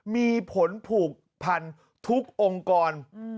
มีผลผูกพันทุกองค์กร